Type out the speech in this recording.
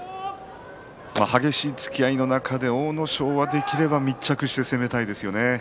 激しい突き合いの中で阿武咲はできれば密着して攻めたいですよね。